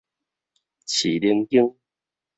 飼奶間